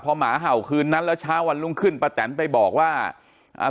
พอหมาเห่าคืนนั้นแล้วเช้าวันรุ่งขึ้นป้าแตนไปบอกว่าอ่า